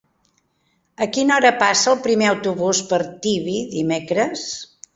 A quina hora passa el primer autobús per Tibi dimecres?